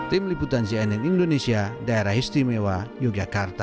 tim liputan cnn indonesia daerah istimewa yogyakarta